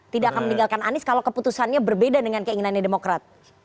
tidak akan meninggalkan anies kalau keputusannya berbeda dengan keinginannya demokrat